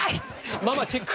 ママチェック！